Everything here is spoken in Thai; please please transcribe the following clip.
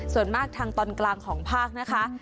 ส่วนมากทางตอนกลางของภาคนะคะ